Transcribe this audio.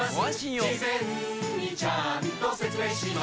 事前にちゃんと説明します